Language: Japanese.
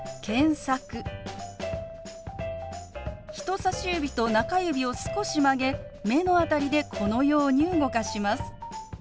人さし指と中指を少し曲げ目の辺りでこのように動かします。